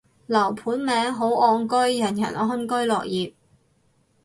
樓盤名，好岸居，人人安居樂業